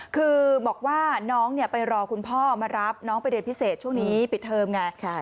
คือบอกว่าน้องไปรอคุณพ่อมารับน้องไปเรียนพิเศษช่วงนี้ปิดเทอมไง